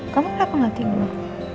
kamu kenapa gak tidur